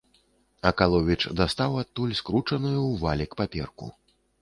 Акаловіч дастаў адтуль скручаную ў валік паперку.